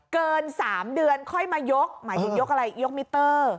เกิน๓เดือนค่อยมายกหมายถึงยกอะไรยกมิเตอร์